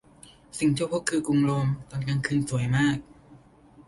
สิ่งที่พบคือกรุงโรมตอนกลางคืนสวยมาก